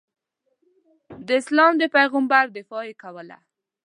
د اسلام د پیغمبر دفاع یې کوله.